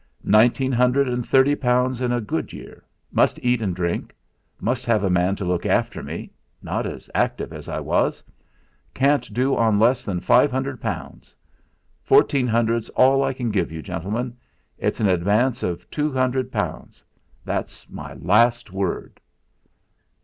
"Nineteen hundred and thirty pounds in a good year. Must eat and drink; must have a man to look after me not as active as I was. Can't do on less than five hundred pounds. Fourteen hundred's all I can give you, gentlemen; it's an advance of two hundred pounds. That's my last word."